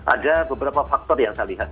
ada beberapa faktor yang saya lihat